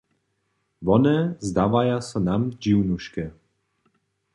Wone zdawaja so nam dźiwnuške.